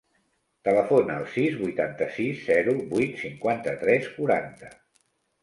Telefona al sis, vuitanta-sis, zero, vuit, cinquanta-tres, quaranta.